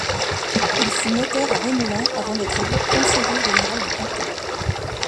Il fut notaire à Remoulins avant d'être élu conseiller général du canton.